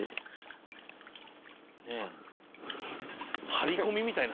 張り込みみたいな。